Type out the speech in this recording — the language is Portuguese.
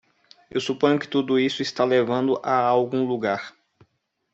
Eu suponho que tudo isso está levando a algum lugar?